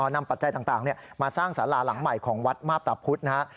ปัจจัยต่างมาสร้างสาราหลังใหม่ของวัดมาพตะพุธนะครับ